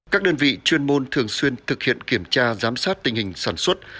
các đơn vị chuyên môn thường xuyên thực hiện kiểm tra giám sát tình hình sản xuất